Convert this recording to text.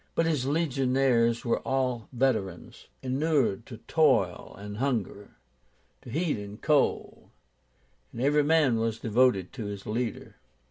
But his legionaries were all veterans, inured to toil and hunger, to heat and cold, and every man was devoted to his leader.